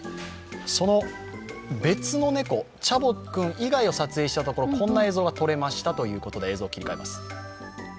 その別の猫、チャボ君以外を撮影したところこんな映像が撮れましたということで映像を切り替えます。